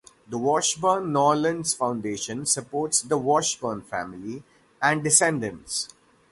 The Washburn- Norlands foundation supports the Washburn family and descendants.